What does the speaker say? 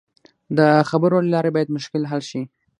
د خبرو له لارې باید مشکل حل شي.